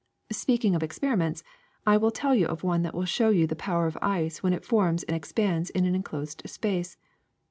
'' ^'Speaking of experiments, I will tell you of one that will show you the power of ice when it forms and expands in an enclosed space.